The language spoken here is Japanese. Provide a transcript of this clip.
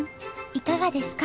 いかがですか？